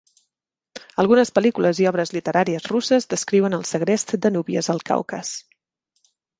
Algunes pel·lícules i obres literàries russes descriuen el segrest de núvies al Caucas.